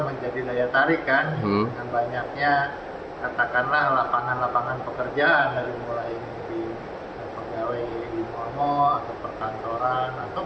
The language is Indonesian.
menjadi daya tarikan dengan banyaknya katakanlah lapangan lapangan pekerjaan dari mulai lebih